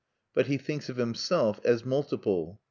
But he thinks of himself as multiple.